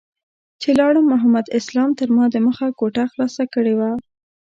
چې لاړم محمد اسلام تر ما دمخه کوټه خلاصه کړې وه.